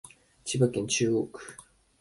千葉市中央区